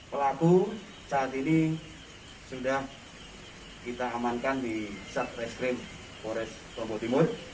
pelaku saat ini sudah kita amankan di satreskrim polres lombok timur